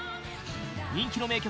人気の名曲